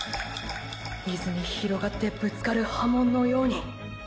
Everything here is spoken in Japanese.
水に広がってぶつかる波紋のように。